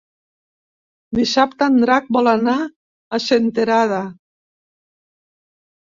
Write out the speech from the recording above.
Dissabte en Drac vol anar a Senterada.